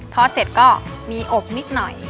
ทอดเสร็จก็มีอกนิดหน่อย